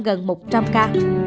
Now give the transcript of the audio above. gần một trăm linh ca